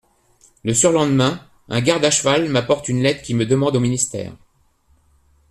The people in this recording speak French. Le surlendemain, un garde à cheval m'apporte une lettre qui me demande au ministère.